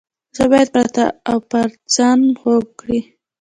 زه باید پر تا او ته پر ما ځان خوږ کړې.